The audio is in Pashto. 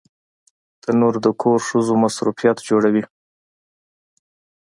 تنور د کور ښځو مصروفیت جوړوي